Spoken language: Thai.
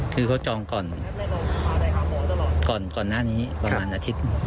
คือก็จองก่อนประมาณอาทิตย์